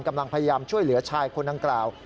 กำลังพยายามช่วยเหลือชายคนดังกล่าว